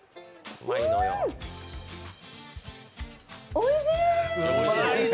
おいしい！